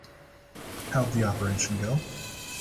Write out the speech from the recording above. How'd the operation go?